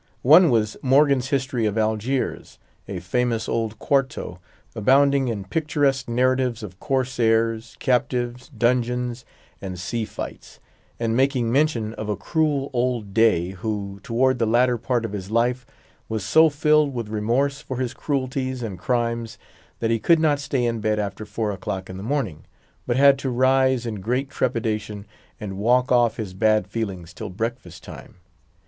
One was "Morgan's History of Algiers," a famous old quarto, abounding in picturesque narratives of corsairs, captives, dungeons, and sea fights; and making mention of a cruel old Dey, who, toward the latter part of his life, was so filled with remorse for his cruelties and crimes that he could not stay in bed after four o'clock in the morning, but had to rise in great trepidation and walk off his bad feelings till breakfast time.